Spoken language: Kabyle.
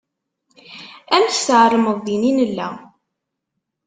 Amek tεelmeḍ din i nella?